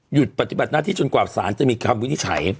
ปฏิบัติหน้าที่จนกว่าสารจะมีคำวินิจฉัย